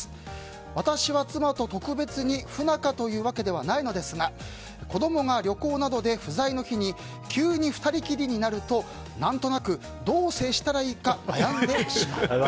私は妻と特別に不仲というわけではないのですが子供が旅行などで不在の日に急に２人きりになると何となく、どう接したらいいか悩んでしまいます。